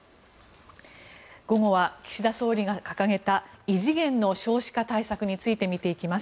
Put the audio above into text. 午後は岸田総理が掲げた異次元の少子化対策について見ていきます。